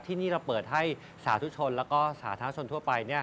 ที่นี่เราเปิดให้สาธุชนแล้วก็สาธารณชนทั่วไป